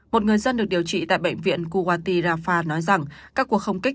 một người dân được điều trị tại bệnh viện kuwati rafah nói rằng các cuộc không kích